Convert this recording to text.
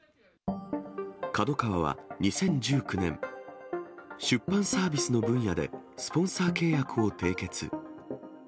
ＫＡＤＯＫＡＷＡは２０１９年、出版サービスの分野でスポンサー契約を締結。